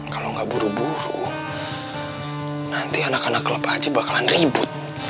kalau nggak buru buru nanti anak anak klub aja bakalan ribut